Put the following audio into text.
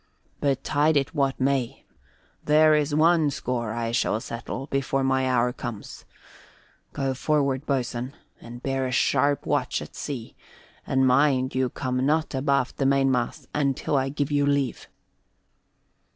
Betide it what may, there is one score I shall settle before my hour comes. Go forward, boatswain, and bear a sharp watch at sea, and mind you come not abaft the mainmast until I give you leave."